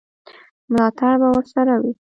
ملاتړ به ورسره وي.